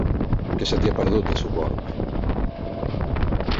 Què se t'hi ha perdut, a Sogorb?